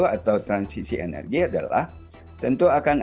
di dalam penggunaan misi setoran dengan sorry inter society inc tadi